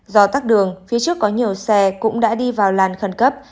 do tắc đường phía trước có nhiều xe cũng đã đi vào làn khẩn cấp